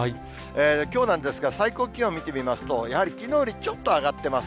きょうなんですが、最高気温見てみますと、やはりきのうよりちょっと上がっています。